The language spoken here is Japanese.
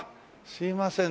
すいません。